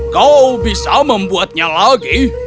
kau bisa membuatnya lagi